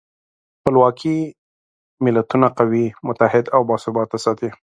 خپلواکي ملتونه قوي، متحد او باثباته ساتي.